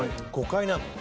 「５階なの？」